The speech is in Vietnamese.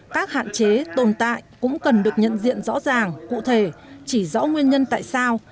các hạn chế tồn tại cũng cần được nhận diện rõ ràng cụ thể chỉ rõ nguyên nhân tại sao